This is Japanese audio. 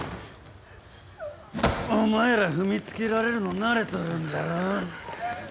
お前ら踏みつけられるの慣れとるんじゃろ？